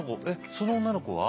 その女の子は？